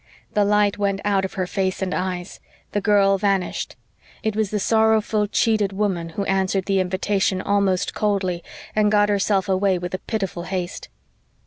The light went out of her face and eyes; the girl vanished; it was the sorrowful, cheated woman who answered the invitation almost coldly and got herself away with a pitiful haste.